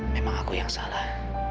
memang aku yang salah